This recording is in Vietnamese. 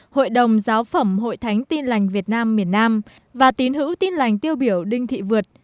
hội đồng giáo phẩm hội thánh tin lành việt nam miền nam và tín hữu tin lành tiêu biểu đinh thị vượt